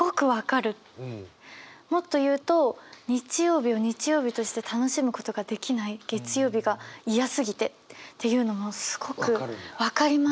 もっと言うと「日曜日を日曜日として楽しむ事ができない」月曜日が嫌すぎてっていうのもすごく分かります。